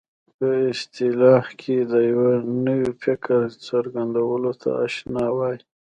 په اصطلاح کې د یوه نوي فکر څرګندولو ته انشأ وايي.